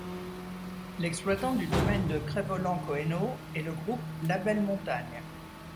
L'exploitant du domaine de Crest-Voland Cohennoz est le groupe Labellemontagne.